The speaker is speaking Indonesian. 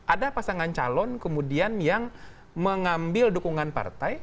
ada pasangan calon kemudian yang mengambil dukungan partai